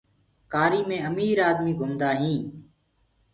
ڪآري مي امير آدمي گُمدآ هينٚ۔